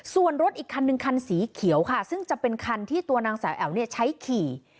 ส่วนรถอีกคันนึงคันสีเขียวค่ะซึ่งจะเป็นคันที่ตัวนางสาวแอ๋วเนี่ยใช้ขี่